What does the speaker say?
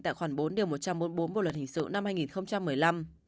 tại khoản bốn điều một trăm bốn mươi bốn bộ luật hình sự năm hai nghìn một mươi năm